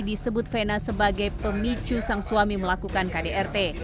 disebut vena sebagai pemicu sang suami melakukan kdrt